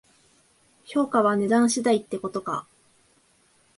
評価は値段次第ってことか